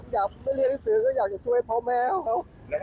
อยากไม่เรียนหนังสือก็อยากจะช่วยพ่อแม่เขา